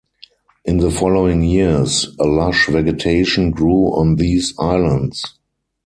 In the following years, a lush vegetation grew on these islands.